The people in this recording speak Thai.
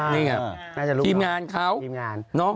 นี่ไงน่าจะรู้เบียบงานเขาน่าจะรู้หนิ